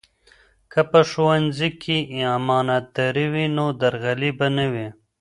که په ښوونځي کې امانتداري وي نو درغلي به نه وي.